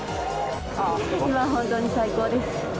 今は本当に最高です。